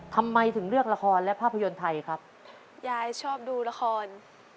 ทำไมถึงเลือกละครและภาพยนตร์ไทยครับยายชอบดูละคร